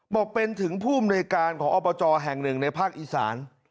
บอกเป็นถึงผู้อำนวยการของอบจแห่งหนึ่งในภาคอีสาน